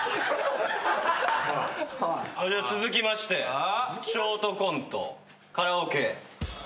じゃ続きましてショートコントカラオケ。